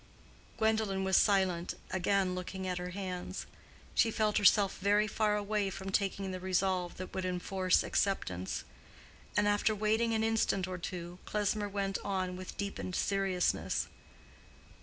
Gwendolen was silent, again looking at her hands. She felt herself very far away from taking the resolve that would enforce acceptance; and after waiting an instant or two, Klesmer went on with deepened seriousness.